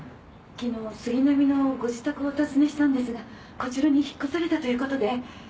昨日杉並のご自宅をお訪ねしたんですがこちらに引っ越されたということで。